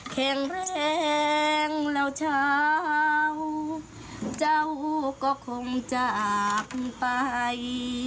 แข็งแรงแล้วเช้าเจ้าก็คงจากไป